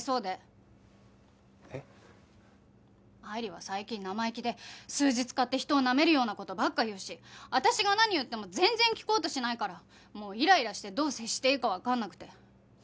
愛理は最近生意気で数字使って人をなめるような事ばっか言うし私が何言っても全然聞こうとしないからもうイライラしてどう接していいかわかんなくて。